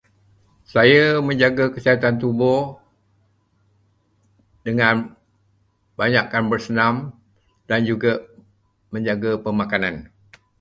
Saya menjaga kesihatan tubuh dengan banyakkan bersenam dan menjaga pemakanan.